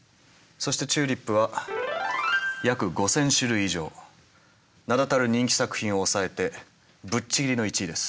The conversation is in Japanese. そしてチューリップは名だたる人気作品を抑えてぶっちぎりの１位です。